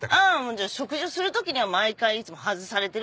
じゃあ食事をする時には毎回いつも外されてる。